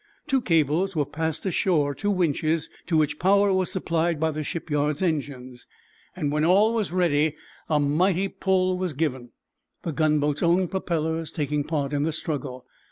Two cables were passed ashore to winches to which power was supplied by the shipyard's engines. When all was ready a mighty pull was given, the gunboat's own propellers taking part in the struggle.